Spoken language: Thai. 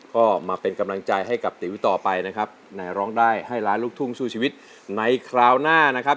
ก็มาเป็นกำลังใจให้กับติ๋วต่อไปนะครับในร้องได้ให้ล้านลูกทุ่งสู้ชีวิตในคราวหน้านะครับ